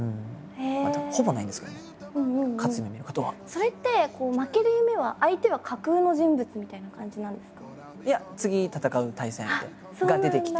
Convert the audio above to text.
それって負ける夢は相手は架空の人物みたいな感じなんですか？